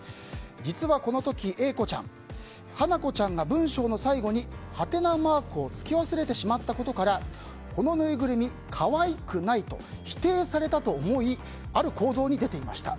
実はこの時、Ａ子ちゃん花子ちゃんが文章の最後に？を付け忘れてしまったことからこのぬいぐるみ、可愛くないと否定されたと思いある行動に出ていました。